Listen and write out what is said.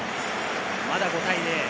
まだ５対０。